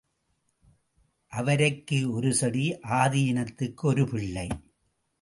அவரைக்கு ஒரு செடி ஆதீனத்துக்கு ஒரு பிள்ளை.